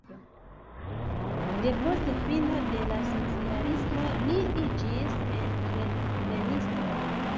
Depost fino de la socialismo li iĝis entreprenisto.